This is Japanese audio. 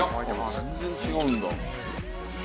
「全然違うんだ」